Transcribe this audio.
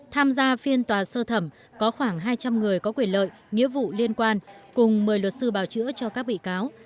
tham gia phiên tòa sơ thẩm có khoảng hai trăm linh người có quyền lợi nghĩa vụ liên quan cùng một mươi luật sư bảo chữa cho các bị cáo